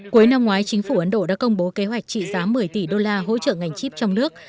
cuối năm ngoái chính phủ ấn độ đã công bố kế hoạch trị giá một mươi tỷ đô la hỗ trợ ngành chip trong nước